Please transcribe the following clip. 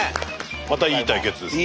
またいい対決ですね。